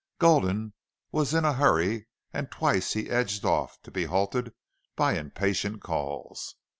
Gulden was in a hurry, and twice he edged off, to be halted by impatient calls.